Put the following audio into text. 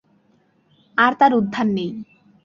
আর তার উদ্ধার নেই।